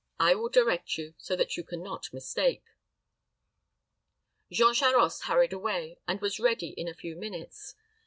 I will direct you, so that you can not mistake." Jean Charost hurried away, and was ready in a few minutes.